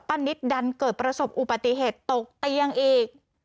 นิตดันเกิดประสบอุบัติเหตุตกเตียงอีก